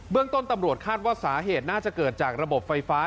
เรื่องต้นตำรวจคาดว่าสาเหตุน่าจะเกิดจากระบบไฟฟ้า